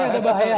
ini ada bahayanya